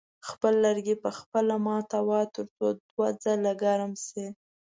خپل لرګي په خپله ماتوه تر څو دوه ځله ګرم شي.